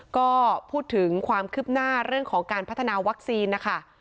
ก็พูดถึงความคืบหน้าเรื่องของการพัฒนาวัคซีนนะคะ